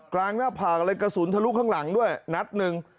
หน้าผากเลยกระสุนทะลุข้างหลังด้วยนัดหนึ่ง